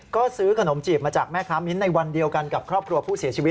ก็ซื้อขนมจีบมาจากแม่ค้ามิ้นในวันเดียวกันกับครอบครัวผู้เสียชีวิต